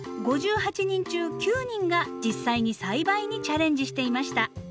５８人中９人が実際に栽培にチャレンジしていました。